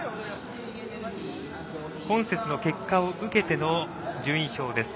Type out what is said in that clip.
今節の結果を受けての順位表です。